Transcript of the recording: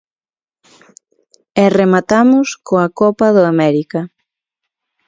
E rematamos coa Copa do América.